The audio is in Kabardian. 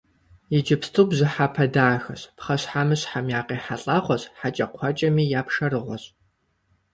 Иджыпсту бжьыхьэпэ дахэщ, пхъэщхьэмыщхьэм и къехьэлӀэгъуэщ, хьэкӀэкхъуэкӀэми я пшэрыгъуэщ.